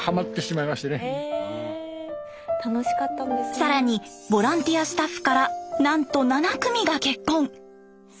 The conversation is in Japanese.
更にボランティアスタッフからなんと７組が結婚。